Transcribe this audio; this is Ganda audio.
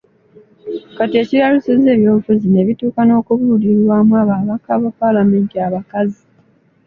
Kati ekiralusizza ebyobufuzi ne bituuka n’okukubirwamu ababaka ba palamenti abakazi.